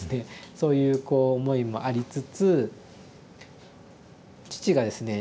そういうこう思いもありつつ父がですね